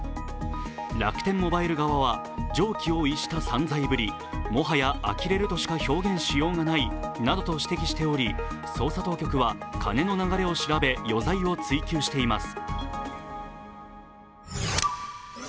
楽天モバイル側は、常軌を逸した散財ぶり、もはやあきれるとしか表現しようがないなどと指摘しており、捜査当局は金の流れを調べ余罪を追及しています。